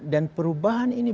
dan perubahan ini